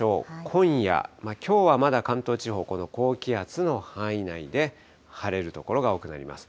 今夜、きょうはまだ関東地方、この高気圧の範囲内で、晴れる所が多くなります。